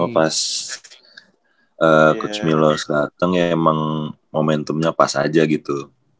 pas coach milos datang ya emang momentumnya pas aja gitu